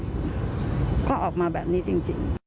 เพราะออกมาแบบนี้จริง